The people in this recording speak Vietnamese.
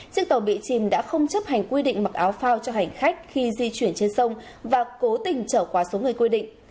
chiếc tàu bị chìm đã không chấp hành quy định mặc áo phao cho hành khách khi di chuyển trên sông và cố tình trở qua số người quy định